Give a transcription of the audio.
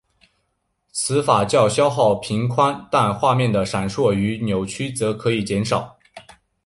此法较消耗频宽但是画面的闪烁与扭曲则可以减少。